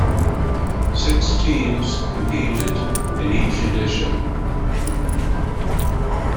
Six teams competed in each edition.